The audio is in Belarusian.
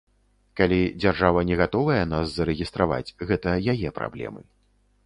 Калі дзяржава не гатовая нас зарэгістраваць, гэта яе праблемы.